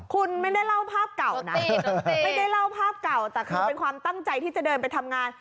คุณไม่ได้เล่าภาพเก่านะไม่ได้เล่าภาพเก่าแต่คือเป็นความตั้งใจที่จะเดินไปทำงาน